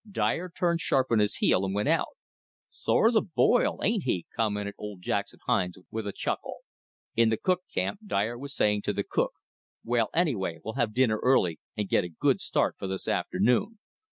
Dyer turned sharp on his heel and went out. "Sore as a boil, ain't he!" commented old Jackson Hines with a chuckle. In the cook camp Dyer was saying to the cook, "Well, anyway, we'll have dinner early and get a good start for this afternoon."